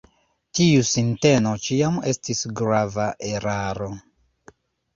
Tiu sinteno ĉiam estis grava eraro.